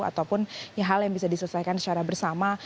ataupun hal yang bisa diselesaikan secara bersama